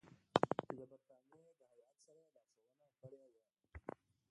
چې د برټانیې له هیات سره یې لارښوونه کړې وه.